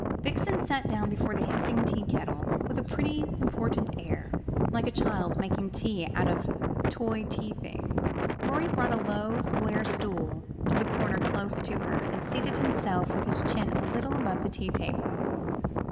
Vixen sat down before the hissing tea kettle with a pretty important air, like a child making tea out of toy tea things. Rorie brought a low square stool to a corner close to her, and seated himself with his chin a little above the tea table.